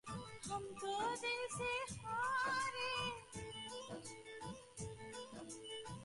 Oxygen increases resistance of the tin dioxide while carbon monoxide reduces resistance.